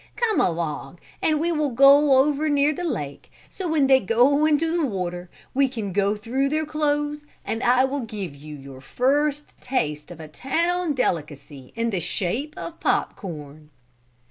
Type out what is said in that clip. Come along, and we will go over near the lake so when they go into the water we can go through their clothes and I will give you your first taste of a town delicacy in the shape of pop corn."